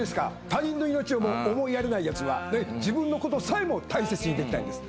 他人の命をも思いやれないやつは自分のことさえも大切にできないんです。